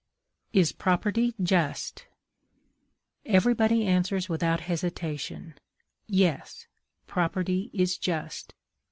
Is property just? Everybody answers without hesitation, "Yes, property is just."